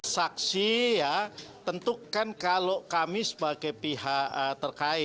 saksi ya tentukan kalau kami sebagai pihak